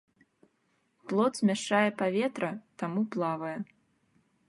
Плод змяшчае паветра, таму плавае.